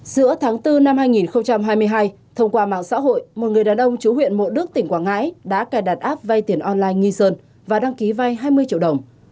giữa tháng bốn năm hai nghìn hai mươi hai thông qua mạng xã hội một người đàn ông chú huyện mộ đức tỉnh quảng ngãi đã cài đặt app vay tiền online nghi sơn và đăng ký vay hai mươi triệu đồng